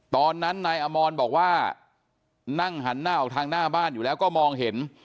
ตอนนั้นนายอมรบอกว่านั่งหันหน้าออกทางหน้าบ้านอยู่แล้วก็มองเห็น